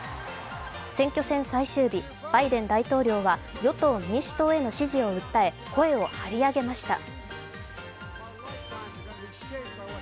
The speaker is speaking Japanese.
選挙戦最終日、バイデン大統領は与党・民主党への支持を訴え声を張り上げました。